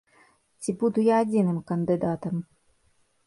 Ці буду я адзіным кандыдатам.